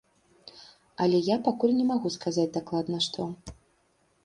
Але я пакуль не магу сказаць дакладна, што.